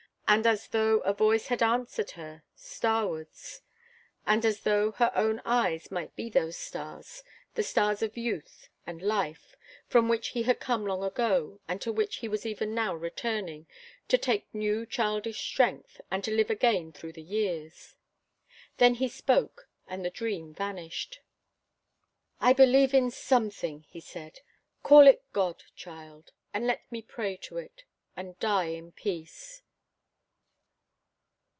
And as though a voice had answered her, 'Starwards' and as though her own eyes might be those stars the stars of youth and life from which he had come long ago and to which he was even now returning, to take new childish strength and to live again through the years. Then he spoke, and the dream vanished. "I believe in Something," he said. "Call it God, child, and let me pray to It, and die in peace."